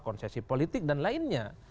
konsesi politik dan lainnya